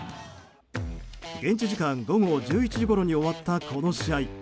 現地時間午後１１時ごろに終わった、この試合。